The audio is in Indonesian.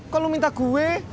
kok lu minta gue